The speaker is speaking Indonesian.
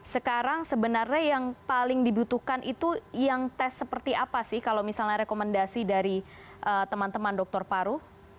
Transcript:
sekarang sebenarnya yang paling dibutuhkan itu yang tes seperti apa sih kalau misalnya rekomendasi dari teman teman dokter paru